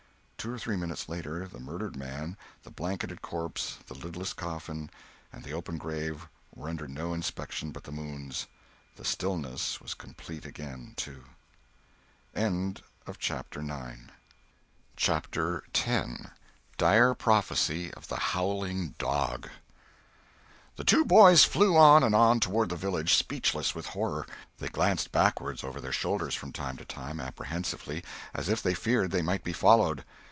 Two or three minutes later the murdered man, the blanketed corpse, the lidless coffin, and the open grave were under no inspection but the moon's. The stillness was complete again, too. CHAPTER X THE two boys flew on and on, toward the village, speechless with horror. They glanced backward over their shoulders from time to time, apprehensively, as if they feared they might be followed.